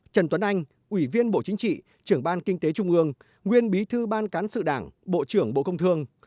trần tuấn anh ủy viên bộ chính trị trưởng ban kinh tế trung ương nguyên bí thư ban cán sự đảng bộ trưởng bộ công thương